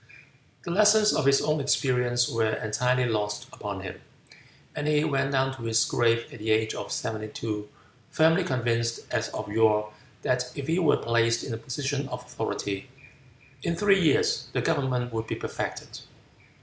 The lessons of his own experience were entirely lost upon him, and he went down to his grave at the age of seventy two firmly convinced as of yore that if he were placed in a position of authority "in three years the government would be perfected."